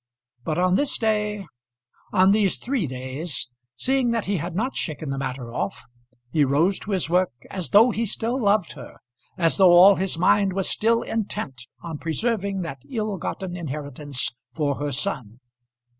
But on this day on these three days seeing that he had not shaken the matter off, he rose to his work as though he still loved her, as though all his mind was still intent on preserving that ill gotten inheritance for her son.